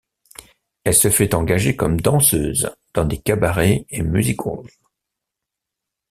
Elle se fait engager comme danseuse dans des cabarets et music-halls.